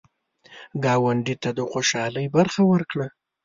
ګاونډي ته د خوشحالۍ برخه ورکړه